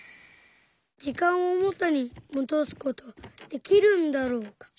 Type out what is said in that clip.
時間を元にもどす事はできるんだろうか。